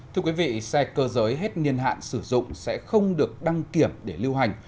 thưa quý vị xe cơ giới hết niên hạn sử dụng sẽ không được đăng kiểm để lưu hành